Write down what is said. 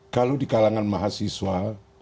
kalau di kalangan mahasiswa